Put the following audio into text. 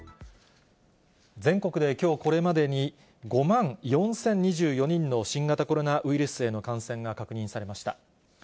全国できょう、これまでに５万４０２４人の新型コロナウイルスへの感染が確認されました。